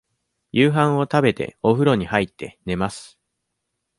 夕飯を食べて、おふろに入って、寝ます。